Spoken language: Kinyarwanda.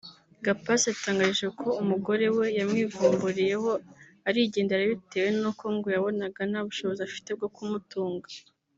Gapasi yadutangarije ko umugore we yamwivumburiyeho arigendera bitewe nuko ngo yabonaga nta bushobozi afite bwo kumutunga